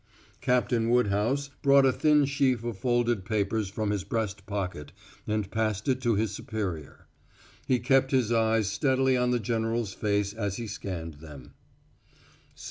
Captain Woodhouse brought a thin sheaf of folded papers from his breast pocket and passed it to his superior. He kept his eyes steadily on the general's face as he scanned them.